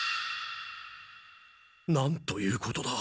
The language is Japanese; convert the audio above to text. なんということだ。